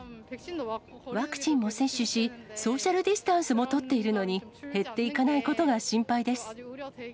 ワクチンも接種し、ソーシャルディスタンスも取っているのに、減っていかないことが心配です。